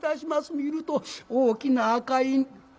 見ると大きな赤犬。